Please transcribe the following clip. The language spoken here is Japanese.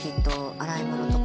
洗い物とか。